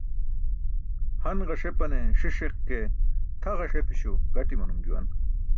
Han ġasepane siṣiq ke tʰa ġasepi̇śo gaṭi̇ manum juwan.